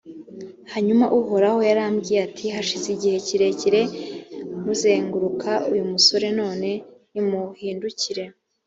hanyuma uhoraho yarambwiye ati hashize igihe kirekire muzenguruka uyu musozi none nimuhindukire.